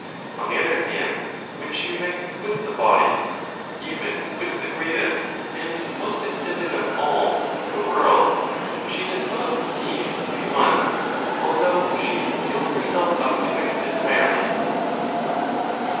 On the other hand, when she unites with the bodies, even with the greatest and most extended of all (the world), she does not cease to be one, although she yield herself up to it entirely.